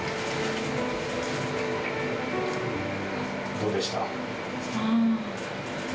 どうでした？